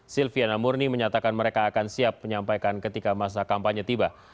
silviana murni menyatakan mereka akan siap menyampaikan ketika masa kampanye tiba